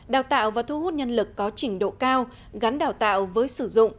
đào tạo và thu hút nhân lực có trình độ cao gắn đào tạo với sử dụng